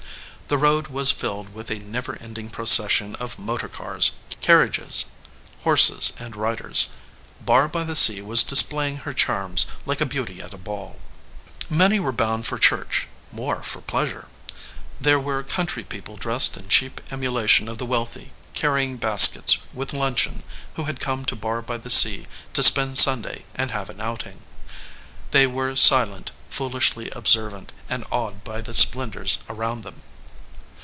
The road was filled with a never ending procession of motor cars, carriages, horses, and riders. Barr by the Sea was displaying her charms like a beauty at a ball. Many were bound for church ; more for pleasure. 142 THE OUTSIDE OF THE HOUSE There were country people dressed in cheap emula tion of the wealthy, carrying baskets with luncheon, who had come to Barr by the Sea to spend Sunday and have an outing. They were silent, foolishly observant, and awed by the splendors around them.